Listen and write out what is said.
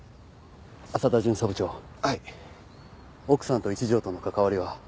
奥さんと一条との関わりは？